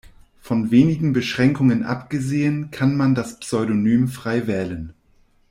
Von wenigen Beschränkungen abgesehen kann man das Pseudonym frei wählen.